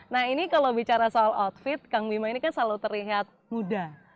nah ini kalau bicara soal outfit kang bima ini kan selalu terlihat muda